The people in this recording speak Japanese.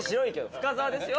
深澤ですよ。